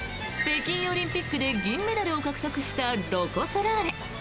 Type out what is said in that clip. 北京オリンピックで銀メダルを獲得したロコ・ソラーレ。